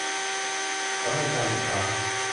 สำเร็จการศึกษา